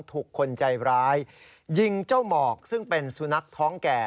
ถูกคนใจร้ายยิงเจ้าหมอกซึ่งเป็นสุนัขท้องแก่